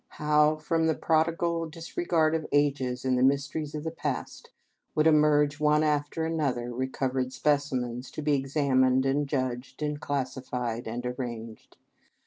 How, from the prodigal disregard of ages and the mysteries of the past, would emerge, one after another, recovered specimens, to be examined and judged and classified and arranged!